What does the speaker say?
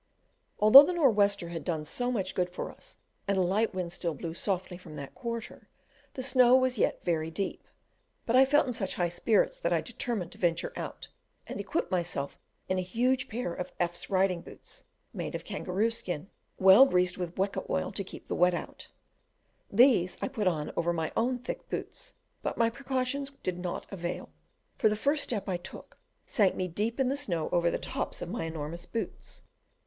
Although the "nor wester" had done so much good for us, and a light wind still blew softly from that quarter, the snow was yet very deep; but I felt in such high spirits that I determined to venture out, and equipped myself in a huge pair of F 's riding boots made of kangaroo skin, well greased with weka oil to keep the wet out, These I put on over my own thick boots, but my precautions "did nought avail," for the first step I took sank me deep in the snow over the tops of my enormous boots.